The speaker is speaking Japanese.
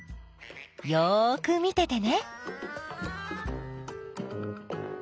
よく見ててね。